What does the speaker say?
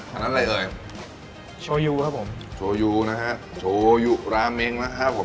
อันนั้นอะไรเอ่ยโชยูครับผมโชยูนะฮะโชยุราเมงนะครับผม